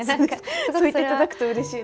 そう言っていただくとうれしいです。